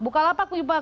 bukalapak punya pilihan